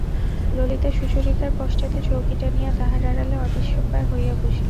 ললিতা সুচরিতার পশ্চাতে চৌকি টানিয়া তাহার আড়ালে অদৃশ্যপ্রায় হইয়া বসিল।